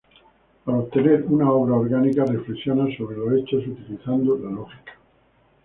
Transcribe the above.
Para obtener una obra orgánica reflexiona sobre los hechos, utilizando la lógica.